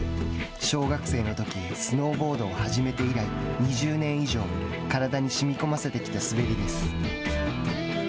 小学生のときスノーボードを始めて以来２０年以上体にしみこませてきた滑りです。